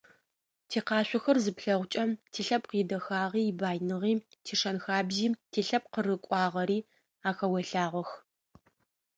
Тикъашъохэр зыплъэгъукӏэ тилъэпкъ идэхагъи, ибаиныгъи, тишэн-хабзи, тилъэпкъ къырыкӏуагъэри ахэолъагъох.